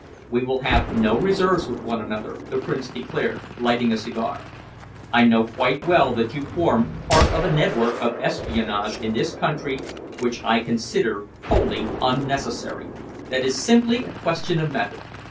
"We will have no reserves with one another," the Prince declared, lighting a cigar. "I know quite well that you form part of a network of espionage in this country which I consider wholly unnecessary. That is simply a question of method.